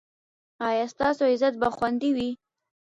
ایا ستاسو عزت به خوندي وي؟